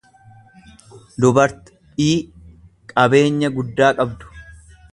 dubart ii qabeenya guddaa gabdu.